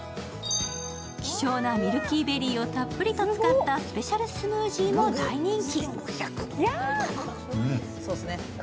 希少なミルキーベリーをたっぷりと使ったスペシャルスムージーも大人気。